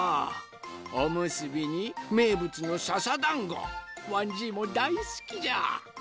おむすびにめいぶつのささだんごわんじいもだいすきじゃ！